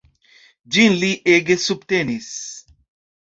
Ĝin li ege subtenis.